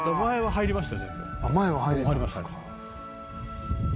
「入れました」